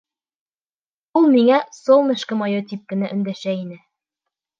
Ул миңә «солнышко мое!» тип кенә өндәшә ине.